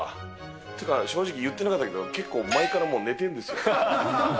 っていうか、正直、言ってなかったけど、結構、前からもう寝てるんですよ。